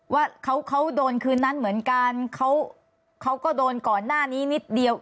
ว่าเขาโดนคืนนั้นเหมือนกันเขาก็โดนก่อนหน้านี้นิดเดียว